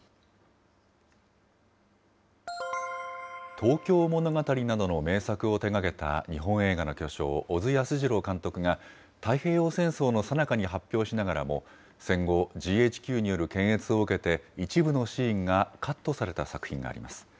東京物語などの名作を手がけた日本映画の巨匠、小津安二郎監督が太平洋戦争のさなかに発表しながらも、戦後、ＧＨＱによる検閲を受けて、一部のシーンがカットされた作品があります。